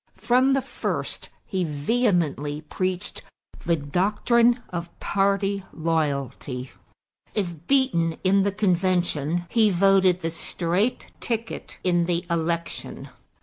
From the first he vehemently preached the doctrine of party loyalty; if beaten in the convention, he voted the straight ticket in the election.